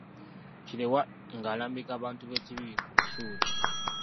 Kireewa ng'alambika abantu b’e Kibibi ku busuulu.